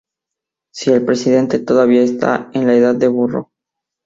Si el presidente todavía está en "la edad del burro"".